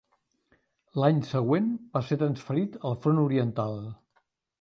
L'any següent, va ser transferit al Front Oriental.